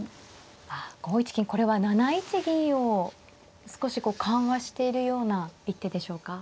あ５一金これは７一銀を少しこう緩和しているような一手でしょうか。